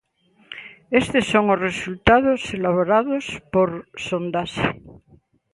Estes son os resultados elaborados por Sondaxe.